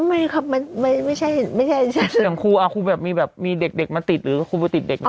ไม่ครับไม่ใช่ไม่ใช่อย่างคุณอ่ะคุณแบบมีเด็กมาติดหรือคุณไปติดเด็ก